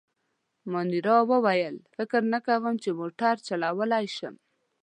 مانیرا وویل: فکر نه کوم، چي موټر چلولای شي.